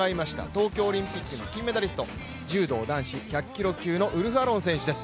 東京オリンピックの金メダリスト、柔道男子１００キロ級のウルフアロン選手です。